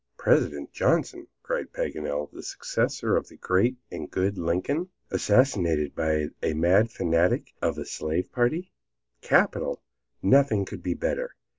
"President Johnson," cried Paganel, "the successor of the great and good Lincoln, assassinated by a mad fanatic of the slave party. Capital; nothing could be better.